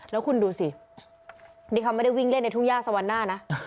แล้วคุณดูสินี่เขาไม่ได้วิ่งเล่นในทุ่งย่าสวรรค์หน้านะ